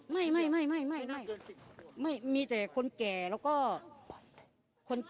ไม่มีแต่คนแก่แล้วก็